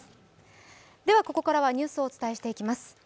ではここからはニュースをお伝えしていきます。